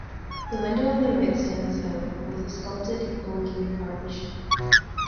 The window on the right stands out, with a sculpted ogee arch.